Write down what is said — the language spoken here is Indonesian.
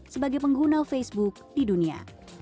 sebagai pengguna facebook di dunia